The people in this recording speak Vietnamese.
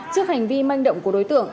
trước hành vi manh động của đối tượng